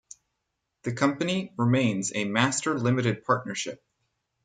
The company remains a master limited partnership.